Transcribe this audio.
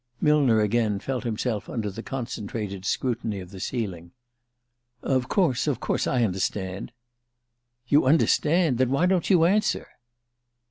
Millner, again, felt himself under the concentrated scrutiny of the ceiling. "Of course, of course. I understand." "You understand? Then why don't you answer?"